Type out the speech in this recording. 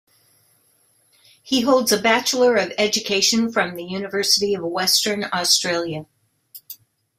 He holds a Bachelor of Education from the University of Western Australia.